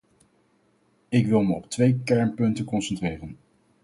Ik wil me op twee kernpunten concentreren.